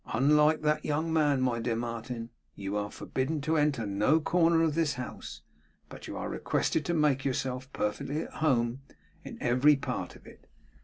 Unlike that young man, my dear Martin, you are forbidden to enter no corner of this house; but are requested to make yourself perfectly at home in every part of it.